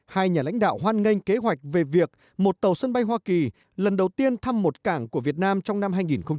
hai nhà lãnh đạo hoan nghênh kế hoạch về việc một tàu sân bay hoa kỳ lần đầu tiên thăm một cảng của việt nam trong năm hai nghìn hai mươi